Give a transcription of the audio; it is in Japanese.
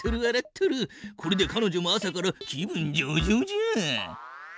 これでかのじょも朝から気分上々じゃ。